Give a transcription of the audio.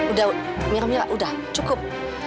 udah mira mira udah cukup